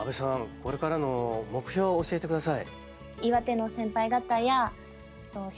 これからの目標を教えて下さい。